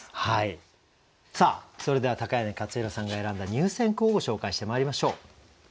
さあそれでは柳克弘さんが選んだ入選句をご紹介してまいりましょう。